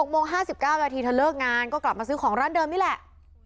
๖โมง๕๙นาทีเธอเลิกงานก็กลับมาซื้อของร้านเดิมนี่แหละ